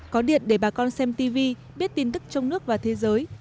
có điện để bà con xem tv biết tin tức trong nước và thế giới